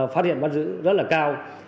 phát hiện bắt giữ rất là cao